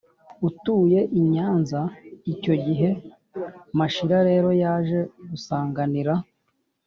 utuye i nyanza icyo gihe. mashira rero yaje gusanganira